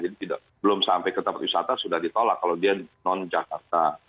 jadi belum sampai ke tempat wisata sudah ditolak kalau dia non jakarta